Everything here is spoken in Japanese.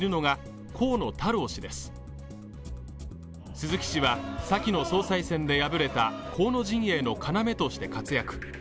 鈴木氏は先の総裁選で敗れた河野陣営の要として活躍